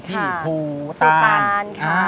ที่ภูตานค่ะวันนี้มางานอะไรคะค่ะ